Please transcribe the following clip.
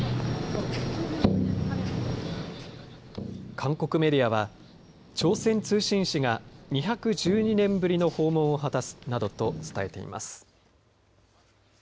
韓国メディアは朝鮮通信使が２１２年ぶりの訪問を果たすなどと伝えています。